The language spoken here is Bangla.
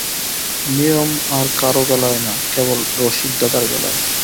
নিয়ম আর কারো বেলায় না, কেবল রসিকদাদার বেলায়!